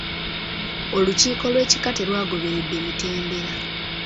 Olukiiko lw'ekika terwagoberedde mitendera.